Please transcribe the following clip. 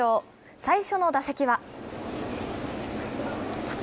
最初の打席は。